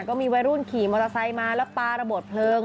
ก็มีวัยรุ่นขี่มอเตอร์ไซค์มาแล้วปลาระเบิดเพลิง